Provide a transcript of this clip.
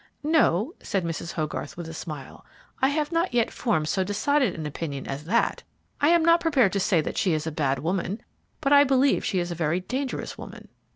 "No," said Mrs. Hogarth, with a smile, "I have not yet formed so decided an opinion as that. I am not prepared to say that she is a bad woman, but I believe she is a very dangerous woman."